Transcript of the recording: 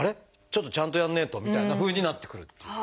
ちょっとちゃんとやんねえとみたいなふうになってくるっていう。